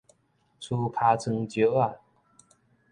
趨尻川石仔